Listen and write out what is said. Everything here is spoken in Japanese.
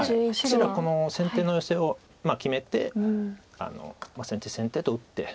白この先手のヨセを決めて先手先手と打って。